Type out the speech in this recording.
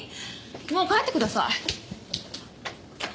もう帰ってください。